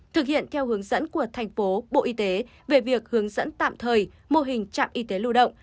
thực hiện theo hướng dẫn của thành phố bộ y tế về việc hướng dẫn tạm thời mô hình trạm y tế lưu động